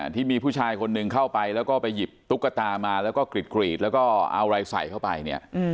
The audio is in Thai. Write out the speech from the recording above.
ที่มีผู้ชายคนหนึ่งเข้าไปแล้วก็ไปหยิบตุ๊กตามาแล้วก็กรีดแล้วก็เอาอะไรใส่เข้าไปเนี่ย